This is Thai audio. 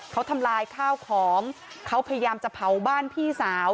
เขาทำลายข้าวของเขาพยายามจะเผาบ้านพี่สาว